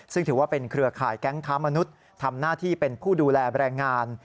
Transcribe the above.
ซึ่งถือว่าเป็นเครือข่ายแก๊งค้ามนุษย์ทำหน้าที่เป็นผู้ดูแลแบรนด์งาน